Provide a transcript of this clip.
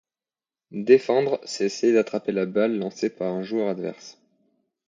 Défendre, c’est essayer d’attraper la balle lancée par un joueur adverse.